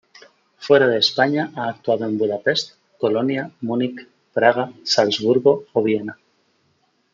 Fuera de España ha actuado en Budapest, Colonia, Múnich, Praga, Salzburgo o Viena.